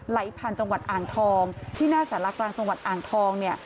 ไหลผ่านจังหวัดอ่างทองที่หน้าสารกลางจังหวัดอ่างทองเนี่ย